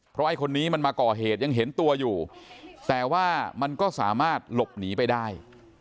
เพราะไอ้คนนี้มันมาก่อเหตุยังเห็นตัวอยู่แต่ว่ามันก็สามารถหลบหนีไปได้